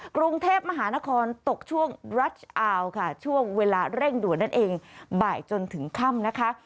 กรุงเทพมหานครตกช่วงรัชอาวค่ะช่วงเวลาเร่งด่วนนั่นเองบ่ายจนถึงค่ำนะคะ